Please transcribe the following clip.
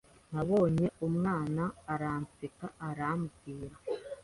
nabonye umwana Aranseka arambwira